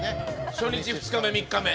初日２日目３日目。